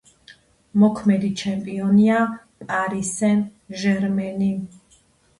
მოქმედი ჩემპიონია „პარი სენ-ჟერმენი“.